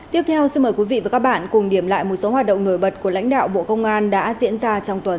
tiếp theo xin mời quý vị và các bạn cùng điểm lại một số hoạt động nổi bật của lãnh đạo bộ công an đã diễn ra trong tuần